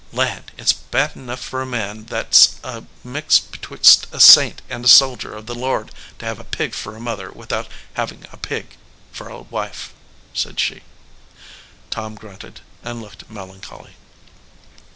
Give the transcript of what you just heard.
"Land ! it s bad enough for a man that s a mix betwixt a saint and a soldier of the Lord to have a pig for a mother with out having a pig for a wife," said she. Tom grunted and looked melancholy.